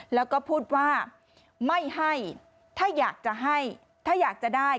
แล้วก็พูดว่าไม่ให้ถ้าอยากจะให้ถ้าอยากจะได้